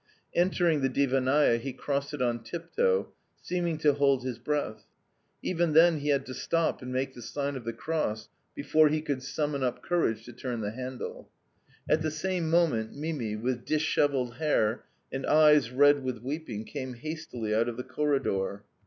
Entering the divannaia he crossed it on tiptoe, seeming to hold his breath. Even then he had to stop and make the sign of the cross before he could summon up courage to turn the handle. At the same moment Mimi, with dishevelled hair and eyes red with weeping came hastily out of the corridor.